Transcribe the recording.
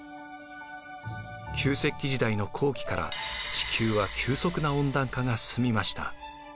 旧石器時代の後期から地球は急速な温暖化が進みました。